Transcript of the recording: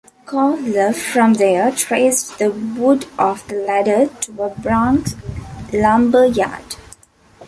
Koehler, from there, traced the wood of the ladder to a Bronx lumber yard.